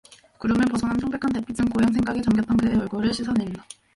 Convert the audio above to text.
구름을 벗어난 창백한 달빛은 고향 생각에 잠겼던 그의 얼굴을 씻어 내 린다.